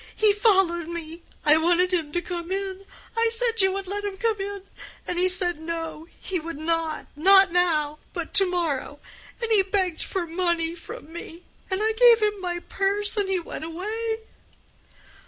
He followed me. I wanted him to come in. I said you would let him come in. And he said No, he would not—not now, but to morrow. And he begged for money from me. And I gave him my purse, and he went away."